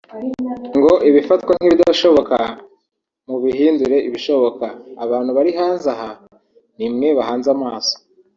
ngo ibifatwa nk’ibidashoboka mubihindure ibishoboka …abantu bari hanze aha ni mwe bahanze amaso